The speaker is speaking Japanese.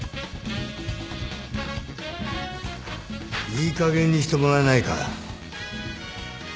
いいかげんにしてもらえないかな。